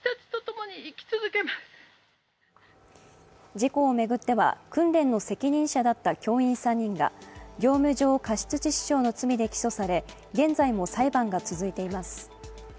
事故を巡っては訓練の責任者だった教員３人が業務上過失致死傷の罪で起訴され、現在も裁判が続いています。